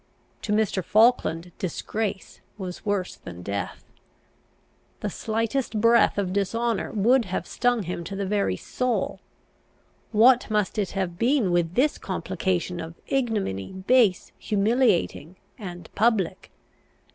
To Mr. Falkland disgrace was worse than death. The slightest breath of dishonour would have stung him to the very soul. What must it have been with this complication of ignominy, base, humiliating, and public?